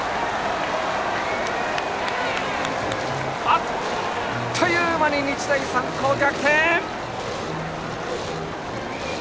あっという間に日大三高、逆転！